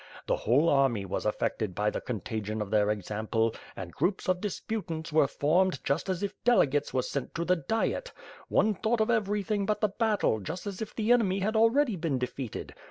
The whole army waa affected by the contagion of their example, and groups of disputants were formed just as if Delegates were sent to the Diet — one thought of everything but the battle; just as if the enemy had already been defeated.